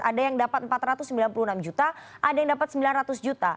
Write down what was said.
ada yang dapat empat ratus sembilan puluh enam juta ada yang dapat sembilan ratus juta